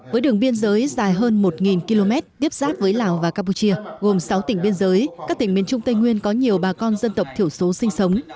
với đường biên giới dài hơn một km tiếp giáp với lào và campuchia gồm sáu tỉnh biên giới các tỉnh miền trung tây nguyên có nhiều bà con dân tộc thiểu số sinh sống